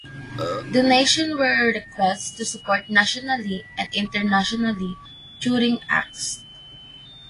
Donations were requested to support nationally and internationally touring acts.